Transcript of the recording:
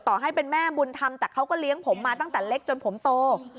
ต่อให้เป็นแม่บุญธรรมแต่เขาก็เลี้ยงผมมาตั้งแต่เล็กจนผมโต